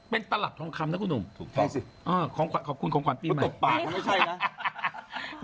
เป็นตลับของข้ำนะของขวานตีเป็นไหม